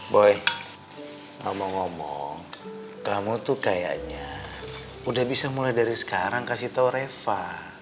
boy ngomong ngomong kamu tuh kayaknya sudah bisa mulai dari sekarang memberitahu reva